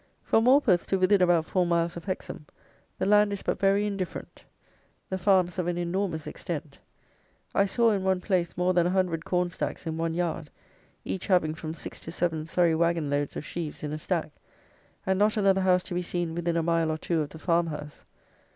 From Morpeth to within about four miles of Hexham, the land is but very indifferent; the farms of an enormous extent. I saw in one place more than a hundred corn stacks in one yard, each having from six to seven Surrey wagon loads of sheaves in a stack; and not another house to be seen within a mile or two of the farmhouse.